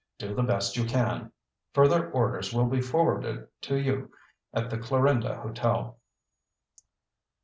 Do the best you can. Further orders will be forwarded to you at the Clarinda Hotel."